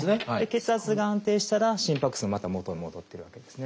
血圧が安定したら心拍数また元に戻ってくるわけですね。